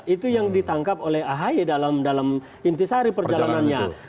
itu yang ditangkap oleh ahy dalam intisari perjalanannya